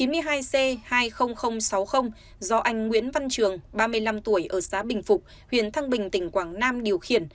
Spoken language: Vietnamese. hai sáu do anh nguyễn văn trường ba mươi năm tuổi ở xã bình phục huyện thăng bình tỉnh quảng nam điều khiển